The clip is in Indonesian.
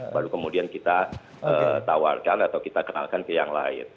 baru kemudian kita tawarkan atau kita kenalkan ke yang lain